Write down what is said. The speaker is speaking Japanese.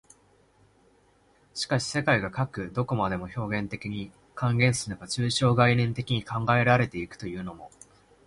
しかし世界がかく何処までも表現的に、換言すれば抽象概念的に考えられて行くというのも、